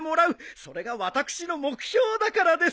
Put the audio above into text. それが私の目標だからです！